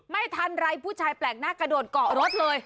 ไม่ทันไรผู้ชายแปลกหน้ากระโดดเกาะรถเลย